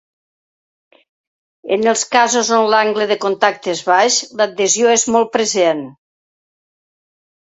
En els casos on l'angle de contacte és baix l'adhesió és molt present.